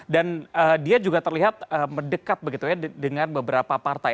dan dia juga terlihat mendekat begitu ya dengan beberapa partai